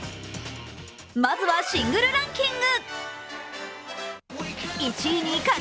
まずはシングルランキング。